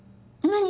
何？